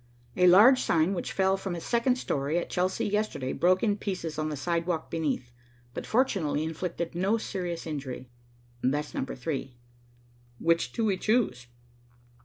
"'A large sign which fell from a second story at Chelsea yesterday broke in pieces on the sidewalk beneath, but fortunately inflicted no serious injury.' That's number three. Which do we choose?"